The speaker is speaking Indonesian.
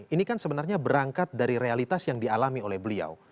ini kan sebenarnya berangkat dari realitas yang dialami oleh beliau